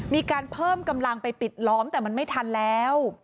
มีการเพิ่มกำลังไปปิดล้อมแต่มันไม่ทันแล้ว